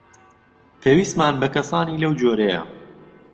پێویستمان بە کەسانی لەو جۆرەیە.